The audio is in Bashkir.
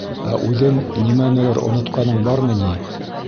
— Ә үҙең нимәнелер онотҡаның бармы ни?